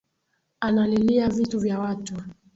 Analilia vitu vya watu